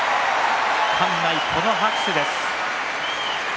館内この拍手です。